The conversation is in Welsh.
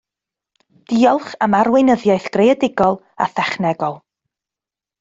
Diolch am arweinyddiaeth greadigol a thechnegol